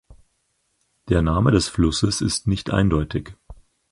Der Name des Flusses ist nicht eindeutig.